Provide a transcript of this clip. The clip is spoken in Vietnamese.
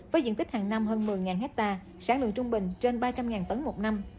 với diện tích hàng năm hơn một mươi hectare sản lượng trung bình trên ba trăm linh tấn một năm